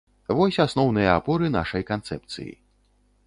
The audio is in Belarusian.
Вось асноўныя апоры нашай канцэпцыі.